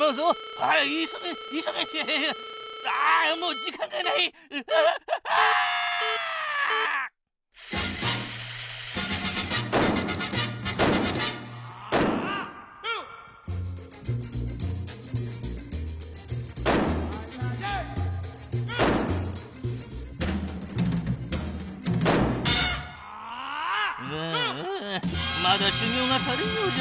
ああまだしゅぎょうが足りんようじゃのぉ。